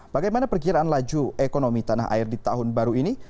bagaimana perkiraan laju ekonomi tanah air di tahun baru ini